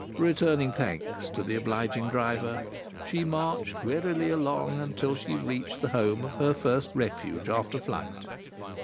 Returning thanks to the obliging driver, she marched wearily along until she reached the home of her first refuge after flight.